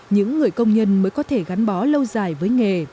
những người công nhân mới có thể gắn bó lâu dài với nghề